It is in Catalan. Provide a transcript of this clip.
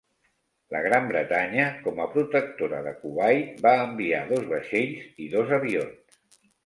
La Gran Bretanya com a protectora de Kuwait va enviar dos vaixells i dos avions.